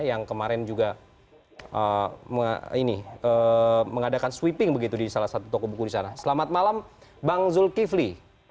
yang kemarin juga mengadakan sweeping begitu di salah satu toko buku di sana selamat malam bang zulkifli